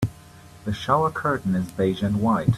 The shower curtain is beige and white.